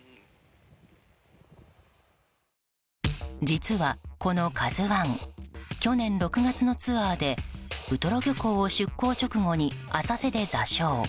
実は、この「ＫＡＺＵ１」去年６月のツアーでウトロ漁港を出港直後に浅瀬で座礁。